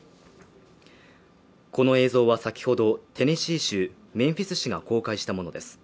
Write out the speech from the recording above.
この映像は先ほどテネシー州メンフィス市が公開したものです